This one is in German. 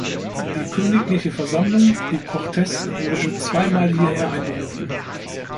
Die königliche Versammlung, die Cortes, wurde zwei Mal hierher einberufen.